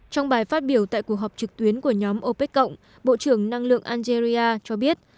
trong bài phát biểu tại cuộc họp trực tuyến của nhóm opec cộng bộ trưởng năng lượng algeria cho biết